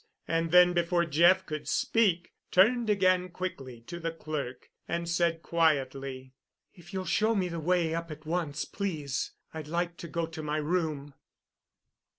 And then, before Jeff could speak, turned again quickly to the clerk and said quietly: "If you'll show me the way up at once, please, I'd like to go to my room."